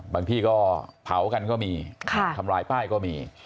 ที่ก็เผากันก็มีทำลายป้ายก็มี